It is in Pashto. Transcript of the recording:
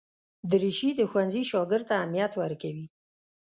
دریشي د ښوونځي شاګرد ته اهمیت ورکوي.